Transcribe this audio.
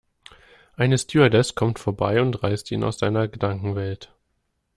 Eine Stewardess kommt vorbei und reißt ihn aus seiner Gedankenwelt.